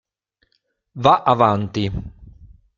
Va' avanti!